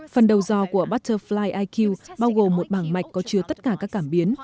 phần đầu do của butterfly eq bao gồm một bảng mạch có chứa tất cả các cảm biến